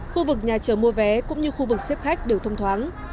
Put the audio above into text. khu vực nhà chờ mua vé cũng như khu vực xếp khách đều thông thoáng